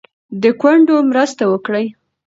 د کونډو مرسته وکړئ.